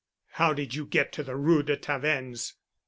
"How did you get to the Rue de Tavennes?"